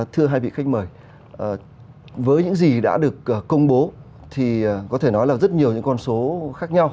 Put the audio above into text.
thưa hai vị khách mời với những gì đã được công bố thì có thể nói là rất nhiều những con số khác nhau